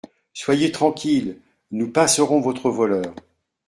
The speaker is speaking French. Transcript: Soyez tranquille ; nous pincerons votre voleur.